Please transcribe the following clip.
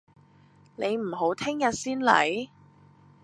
你唔好聽日先黎？